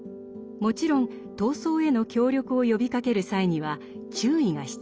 もちろん闘争への協力を呼びかける際には注意が必要。